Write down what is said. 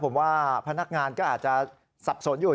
ผมว่าพนักงานก็อาจจะสับสนอยู่